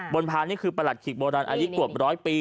พานนี่คือประหลัดขีกโบราณอายุเกือบร้อยปี